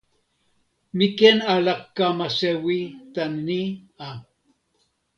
mi ken ala kama sewi tan ni a.